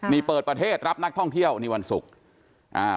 นี่เปิดประเทศรับนักท่องเที่ยวนี่วันศุกร์อ่า